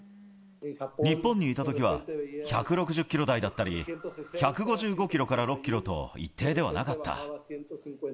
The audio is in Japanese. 日本にいたときは、１６０キロ台だったり、１５５キロから６キロと一定ではなかった。